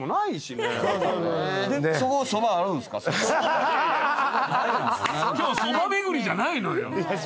今日そば巡りじゃないのよ。